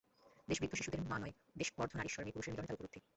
দেশ বৃদ্ধ শিশুদের মা নয়, দেশ অর্ধনারীশ্বর–মেয়ে-পুরুষের মিলনে তার উপলব্ধি।